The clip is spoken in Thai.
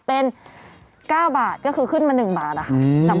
เป็น๙บาทก็คือขึ้นมา๑บาทนะคะ